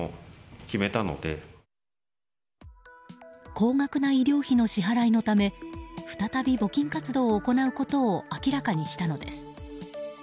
高額な医療費の支払いのため再び募金活動を行うことを明らかにしたのです。